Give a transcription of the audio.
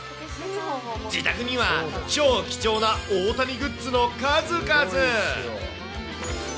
自宅には超貴重な大谷グッズの数々。